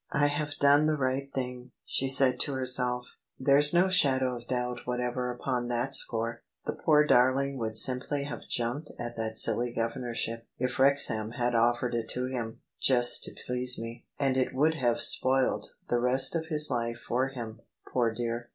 " I have done the right thing," she said to herself: "there's no shadow of doubt whatever upon that score. The poor darling would simply have jumped at that silly Governorship, if Wrexham had offered it to him, just to please me: and it would have spoilt the rest of his life for him, poor dear.